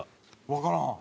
わからん。